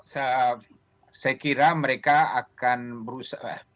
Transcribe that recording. saya kira mereka akan berusaha